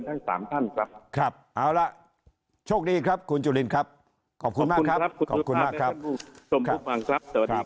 แต่สำหรับผมเนี่ยผมเชิญทั้ง๓ท่านครับ